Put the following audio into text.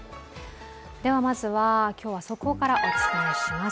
ではまずは今日は速報からお伝えします。